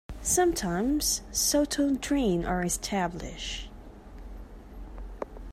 Sometimes "sotto 'ndrine" are established.